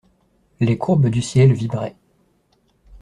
Les courbes du ciel vibraient.